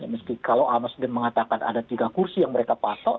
meski kalau nasdem mengatakan ada tiga kursi yang mereka pasok